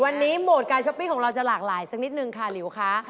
วันนี้โหมดการช้อปปิ้งของเราจะหลากหลายสักนิดนึงค่ะหลิวค่ะ